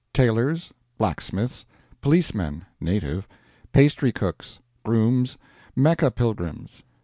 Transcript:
Tailors. Blacksmiths. Policemen (native). Pastry cooks. Grooms. Mecca pilgrims.